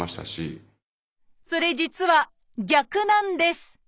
それ実は逆なんです